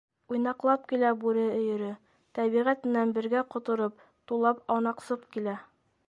Уйнаҡлап килә бүре өйөрө, тәбиғәт менән бергә ҡотороп, тулап-аунаҡсып килә.